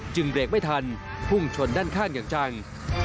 จึงเบรกไม่ทันพุ่งชนด้านข้างกักจัง